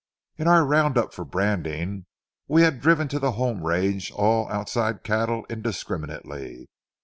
In our round up for branding, we had driven to the home range all outside cattle indiscriminately.